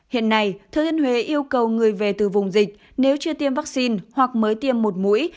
hiện nay thừa thiên huế yêu cầu người về từ vùng dịch nếu chưa tiêm vaccine hoặc mới tiêm một mũi